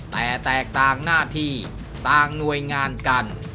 แต่แตกต่างหน้าที่ต่างหน่วยงานกัน